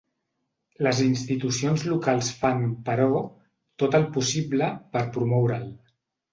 Les institucions locals fan, però, tot el possible per promoure'l.